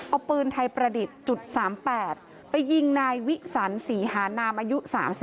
เอาปืนไทยประดิษฐ์๓๘ไปยิงนายวิสันศรีหานามอายุ๓๒